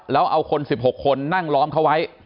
แล้วเอาคน๑๖คนนั่งล้อมเขาไว้